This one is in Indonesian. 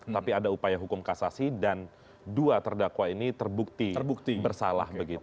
tapi ada upaya hukum kasasi dan dua terdakwa ini terbukti bersalah